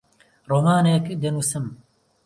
ڕۆمانێک دەنووسم.